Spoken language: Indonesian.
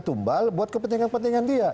tumbal buat kepentingan kepentingan dia